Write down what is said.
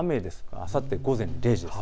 あさって午前０時です。